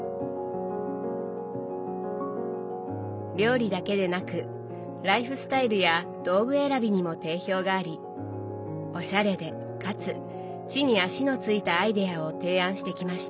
料理だけでなくライフスタイルや道具選びにも定評がありおしゃれでかつ地に足のついたアイデアを提案してきました。